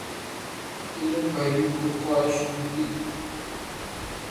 کلن بھائی کی خواہش جوتی